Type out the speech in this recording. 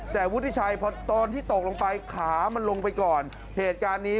แต่วุฒิชัยตอนที่ตกลงไปขามันลงไปก่อนเหตุการณ์นี้